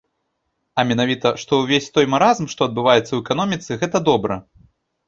А менавіта, што ўвесь той маразм, што адбываецца ў эканоміцы, гэта добра.